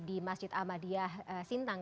di masjid ahmadiyah sintang